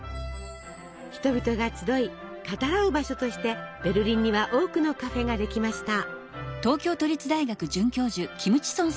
人々が集い語らう場所としてベルリンには多くのカフェができました。